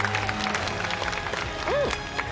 うん！